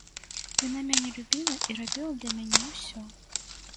Яна мяне любіла і рабіла для мяне ўсё.